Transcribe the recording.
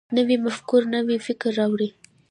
نوې مفکوره نوی فکر راوړي